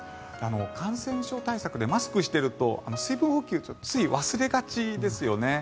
感染症対策でマスクをしていると水分補給をつい忘れがちですよね。